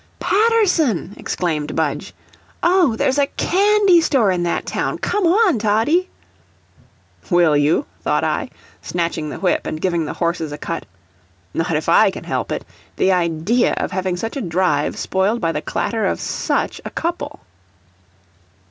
"Paterson!" exclaimed Budge. "Oh, there's a candy store in that town, come on, Toddie." "Will you?" thought I, snatching the whip and giving the horses a cut. "Not if I can help it. The idea of having such a drive spoiled by the clatter of SUCH a couple!"